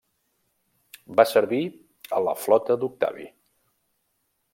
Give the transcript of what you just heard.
Va servir a la flota d'Octavi.